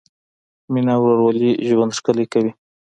مینه او ورورولي ژوند ښکلی کوي.